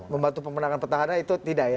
membantu pemenangan petahana itu tidak ya